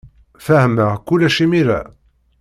Fehmeɣ kullec imir-a.